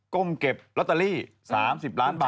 ก้มเก็บลอตเตอรี่๓๐ล้านบาท